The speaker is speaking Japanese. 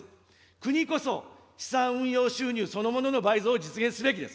国こそ資産運用収入そのものの倍増を実現すべきです。